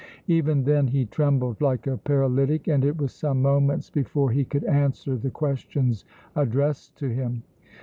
Even then he trembled like a paralytic and it was some moments before he could answer the questions addressed to him.